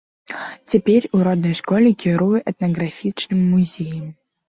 Цяпер у роднай школе кіруе этнаграфічным музеем.